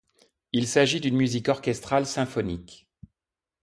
Il s'agit d'une musique orchestrale symphonique.